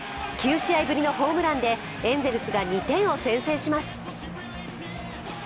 ９試合ぶりのホームランでエンゼルスが２点を先制します。